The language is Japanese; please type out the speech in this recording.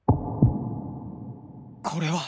これは！